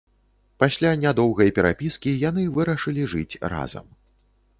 Пасля нядоўгай перапіскі яны вырашылі жыць разам.